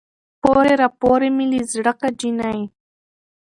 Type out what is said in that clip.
پورې راپورې مې له زړه که جينۍ